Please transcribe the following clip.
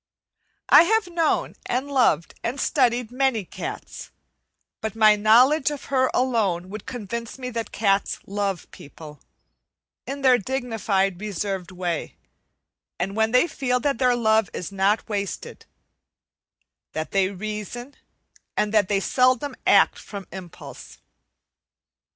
I have known, and loved, and studied many cats, but my knowledge of her alone would convince me that cats love people in their dignified, reserved way, and when they feel that their love is not wasted; that they reason, and that they seldom act from impulse.